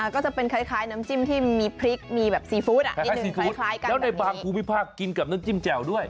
ก็จะเป็นคล้ายน้ำจิ้มที่มีพริกมีแบบซีฟู้ดนิดนึงคล้ายกันแล้วในบางภูมิภาคกินกับน้ำจิ้มแจ่วด้วย